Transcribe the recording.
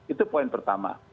itu poin pertama